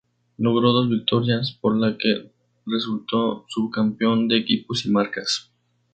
Logró dos victorias, por lo que resultó subcampeón de equipos y marcas.